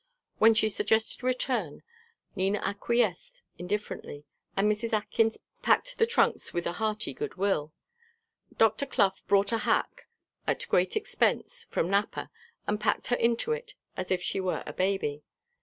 When she suggested return, Nina acquiesced indifferently, and Mrs. Atkins packed the trunks with a hearty good will. Dr. Clough brought a hack, at great expense, from Napa, and packed her into it as if she were a baby.